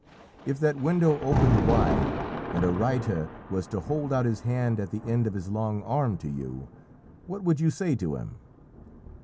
If that window opened wide, and a reiter was to hold out his hand at the end of his long arm to you, what would you say to him?"